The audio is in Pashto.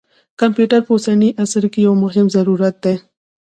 کمپیوټر په اوسني عصر کې یو مهم ضرورت دی.